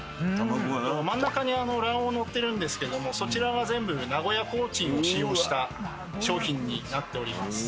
真ん中に卵黄のってるんですけどもそちらが全部名古屋コーチンを使用した商品になっております。